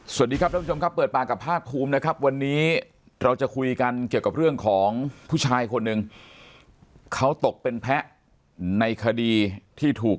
สวัสดีครับท่านผู้ชมครับเปิดปากกับภาคภูมินะครับวันนี้เราจะคุยกันเกี่ยวกับเรื่องของผู้ชายคนหนึ่งเขาตกเป็นแพ้ในคดีที่ถูก